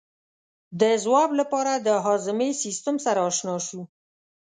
د ځواب لپاره د هاضمې سیستم سره آشنا شو.